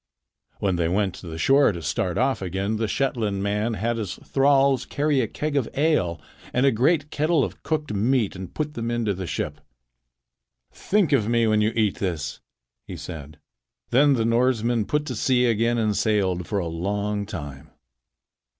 When they went to the shore to start off again, the Shetland man had his thralls carry a keg of ale and a great kettle of cooked meat and put them into the ship. "Think of me when you eat this," he said. Then the Norsemen put to sea again and sailed for a long time.